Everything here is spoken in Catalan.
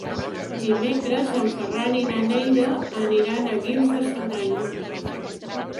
Dimecres en Ferran i na Neida aniran a Guils de Cerdanya.